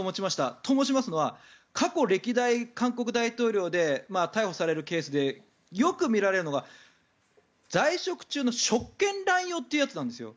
と申しますのは過去、歴代韓国大統領で逮捕されるケースでよく見られるのが在職中の職権乱用というやつなんですよ。